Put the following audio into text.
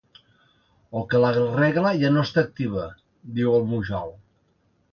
O que la regla ja no està activa —diu el Mujal—.